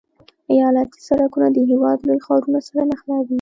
ایالتي سرکونه د هېواد لوی ښارونه سره نښلوي